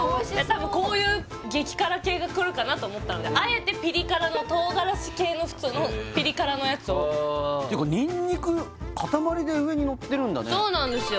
多分こういう激辛系がくるかなと思ったんであえてピリ辛の唐辛子系の普通のピリ辛のやつをていうかそうなんですよ